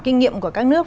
kinh nghiệm của các nước